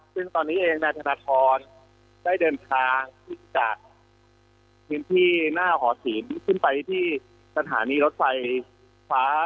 ซึ่งตอนนี้เองนายธนทรได้เดินทางจากพื้นที่หน้าหอศีลขึ้นไปที่สถานีรถไฟฟ้า